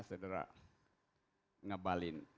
saya sederah ngebalin